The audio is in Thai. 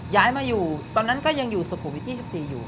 ย้ายมาอยู่ตอนนั้นก็ยังอยู่สกุวิทย์ที่๑๔อยู่